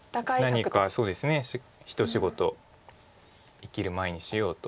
何かそうですね一仕事生きる前にしようと。